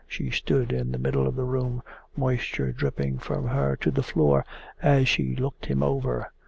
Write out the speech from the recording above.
She stood in the middle of the room, moisture dripping from her to the floor as she looked him over.